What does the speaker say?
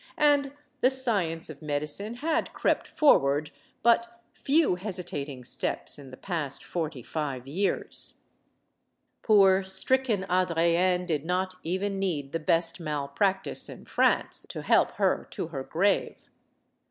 And the science of medicine had crept forward but few hesitating steps in the past forty five years. Poor, stricken Adrienne did not even need the best malpractice in France to help her to her grave.